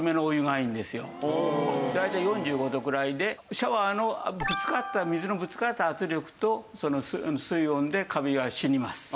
シャワーのぶつかった水のぶつかった圧力と水温でカビは死にます。